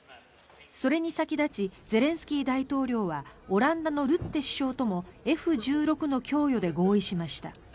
それに先立ちゼレンスキー大統領はオランダのルッテ首相ともＦ１６の供与で合意しました。